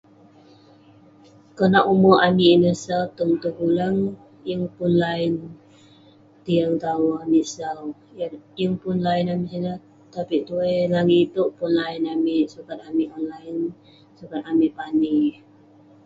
Konak ume' amik ineh sau tong tegulang, yeng pun line, tiang tong awa amik sau..yeng pun line amik sineh .. tapi'k tuwai langit itouk, pun line amik, sukat amik online, sukat amik pani